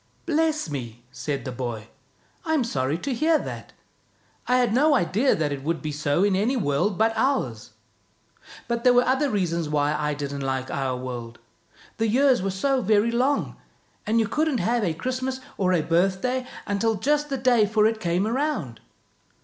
" Bless me! " said the boy. "I'm sorry to hear that. I had no idea that it would be so in any world but ours. But there were other reasons why I didn't like our world. The years were so very long, and you couldn't have a Christmas or a birthday until just the day for it came round."